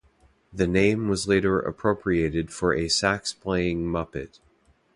The name was later appropriated for a sax-playing Muppet.